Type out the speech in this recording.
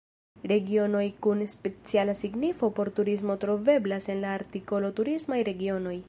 Regionoj kun speciala signifo por turismo troveblas en la artikolo turismaj regionoj.